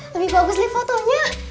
lebih bagus li fotonya